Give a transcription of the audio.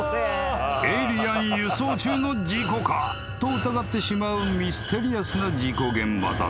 ［「エイリアン輸送中の事故か？」と疑ってしまうミステリアスな事故現場だった］